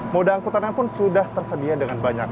moda angkutannya pun sudah tersedia dengan banyak